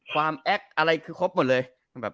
แอคอะไรคือครบหมดเลย